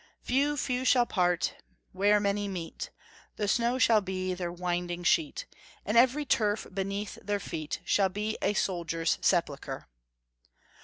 "Few, few shall part, where many meet I The snow shall be their winding sheet. And every turf beneath their feet Shall be a soldier's sepulchre.